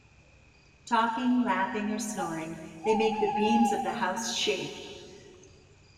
Talking, laughing, or snoring, they make the beams of the house shake.